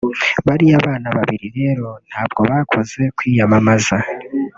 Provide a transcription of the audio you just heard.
Bariya bana babiri rero ntabwo bakoze kwiyamamaza